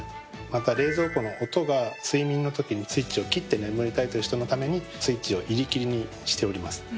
また冷蔵庫の音が睡眠のときにスイッチを切って眠りたいという人のためにスイッチを入り切りにしております。